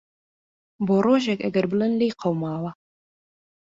بۆ رۆژێک ئەگەر بڵێن لیێ قەوماوە.